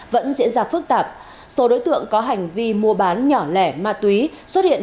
vẫn diễn ra phức tạp số đối tượng có hành vi mua bán nhỏ lẻ ma túy xuất hiện